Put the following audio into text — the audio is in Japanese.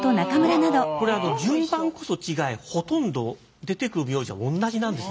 これ順番こそ違えほとんど出てくる名字は同じなんですね。